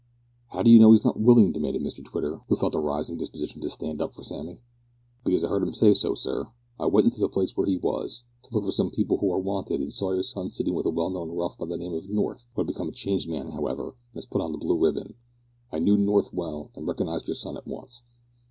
"How d'you know he's not willing?" demanded Mr Twitter, who felt a rising disposition to stand up for Sammy. "Because I heard him say so, sir. I went into the place where he was, to look for some people who are wanted, and saw your son sitting with a well known rough of the name of North, who has become a changed man, however, and has put on the blue ribbon. I knew North well, and recognised your son at once.